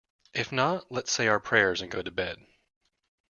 If not, let's say our prayers and go to bed.